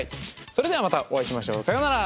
それではまたお会いしましょう。さようなら！